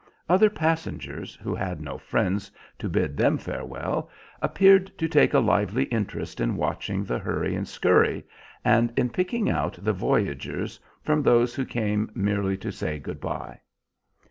Other passengers who had no friends to bid them farewell appeared to take a lively interest in watching the hurry and scurry, and in picking out the voyagers from those who came merely to say good bye.